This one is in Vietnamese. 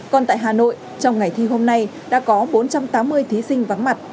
còn tại hà nội trong ngày thi hôm nay đã có bốn trăm tám mươi thí sinh vắng mặt